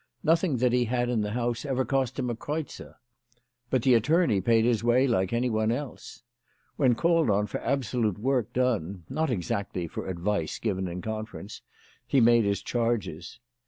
Nothing that he had in that house ever cost him a kreutzer. But the attorney paid his way like any one else. When called on for absolute work done, not exactly for advice given in conference, he made his charges.